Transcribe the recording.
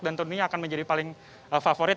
dan tentunya akan menjadi paling favorit